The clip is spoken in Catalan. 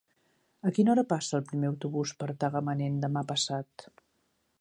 A quina hora passa el primer autobús per Tagamanent demà passat?